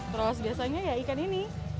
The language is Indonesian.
terus biasanya ya ikan ini